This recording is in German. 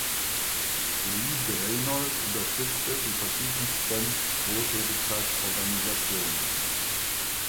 Louise de Reynold unterstützte die verschiedensten Wohltätigkeitsorganisationen.